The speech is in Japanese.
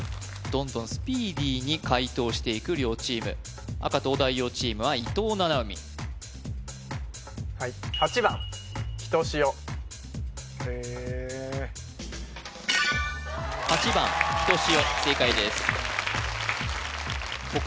どんどんスピーディーに解答していく両チーム赤東大王チームは伊藤七海はい８番ひとしお正解です